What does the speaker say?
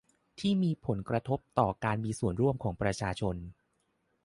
ที่มีผลกระทบต่อการมีส่วนร่วมของประชาชน